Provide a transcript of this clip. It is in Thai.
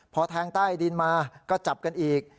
พอแทงใต้ดินมาก็จับกันอีก